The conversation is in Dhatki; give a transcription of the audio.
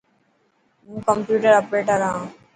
هون ڪمپيوٽر آپريٽر آن.